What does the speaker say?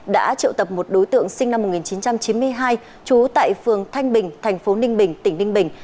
đã triệu tập một đối tượng sinh năm một nghìn chín trăm chín mươi hai trú tại phường thanh bình thành phố ninh bình tỉnh ninh bình